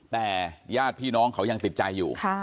แต่ญาติพี่น้องเขายังติดใจอยู่